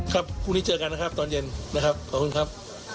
พรุ่งนี้เจอกันนะครับตอนเย็นนะครับขอบคุณครับ